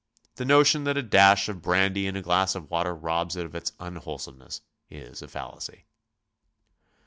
The notion that a dash of brandy in a glass of water robs it of its unwholesomeness, is a fallacy.